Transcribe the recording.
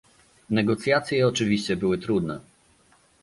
Negocjacje oczywiście były trudne